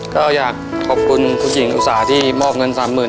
ก็อยากขอบคุณคุณหญิงอุตสาหที่มอบเงิน๓๐๐๐